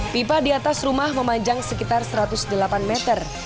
pipa di atas rumah memanjang sekitar satu ratus delapan meter